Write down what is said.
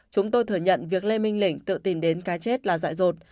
chúng tôi thừa nhận việc lê minh lĩnh tự tìm đến cái chết là dại rột